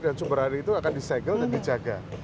sumber air itu akan disegel dan dijaga